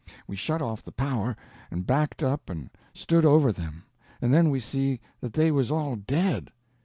We shut off the power, and backed up and stood over them, and then we see that they was all dead.